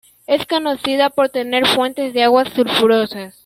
Es conocida por tener fuentes de aguas sulfurosas.